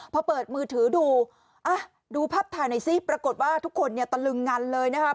พอเปิดมือถือดูอ่ะดูภาพถ่ายหน่อยสิปรากฏว่าทุกคนเนี่ยตะลึงงันเลยนะครับ